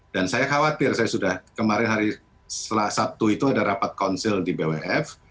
dan saya khawatir saya sudah kemarin hari setelah sabtu itu ada rapat konsil di bwf